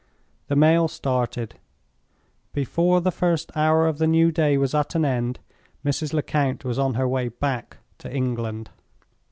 The mail started. Before the first hour of the new day was at an end Mrs. Lecount was on her way back to England.